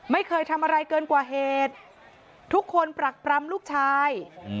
ไม่เคยทำอะไรเกินกว่าเหตุทุกคนปรักปรำลูกชาย